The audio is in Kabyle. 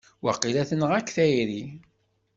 Waqila tenɣa-k tayri!